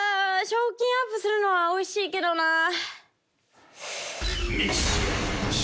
賞金アップするのはおいしいけどな。